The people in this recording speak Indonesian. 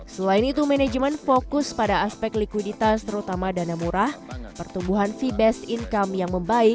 selain itu manajemen fokus pada aspek likuiditas terutama dana murah pertumbuhan fee based income yang membaik